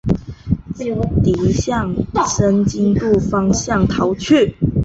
敌向申津渡方向逃去。